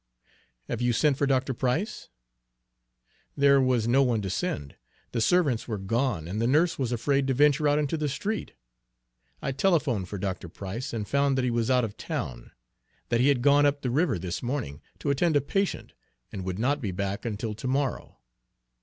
"Have you sent for Dr. Price?" "There was no one to send, the servants were gone, and the nurse was afraid to venture out into the street. I telephoned for Dr. Price, and found that he was out of town; that he had gone up the river this morning to attend a patient, and would not be back until to morrow.